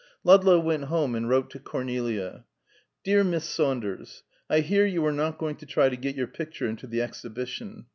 Ludlow went home and wrote to Cornelia: "DEAR MISS SAUNDERS: I hear you are not going to try to get your picture into the Exhibition.